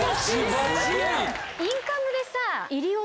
インカムでさ。